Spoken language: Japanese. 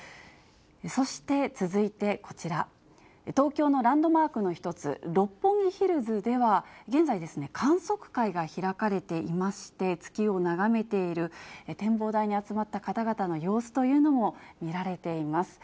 そして、続いてこちら、東京のランドマークの一つ、六本木ヒルズでは、現在ですね、観測会が開かれていまして、月を眺めている展望台に集まった方々の様子というのも見られています。